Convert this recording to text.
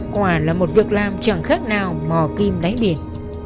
quả là một việc làm chẳng khác nào mò kim đáy biển